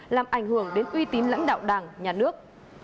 làm ảnh hưởng đến uy tín lãnh đạo đảng nhà nước